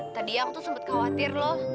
tadi aku tuh sempet khawatir loh